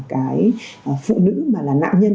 cái phụ nữ mà là nạn nhân